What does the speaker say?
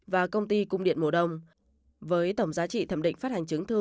và công ty cung điện mùa đông với tổng giá trị thẩm định phát hành chứng thư